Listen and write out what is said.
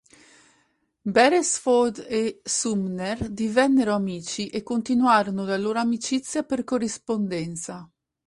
Beresford e Sumner divennero amici e continuarono la loro amicizia per corrispondenza.